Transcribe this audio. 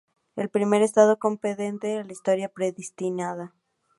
El primer estado comprende la historia precristiana.